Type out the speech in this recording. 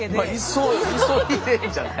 急いでんじゃない？